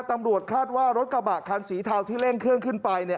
ตำรวจคาดว่ารถกระบะคันสีเทาที่เร่งเครื่องขึ้นไปเนี่ย